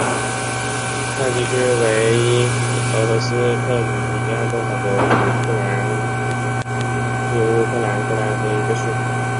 萨基区为俄罗斯克里米亚共和国与乌克兰克里米亚自治共和国争议性的一个区。